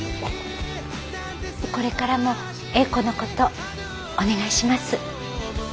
これからも詠子のことお願いします。